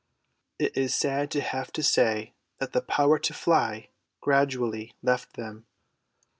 It is sad to have to say that the power to fly gradually left them.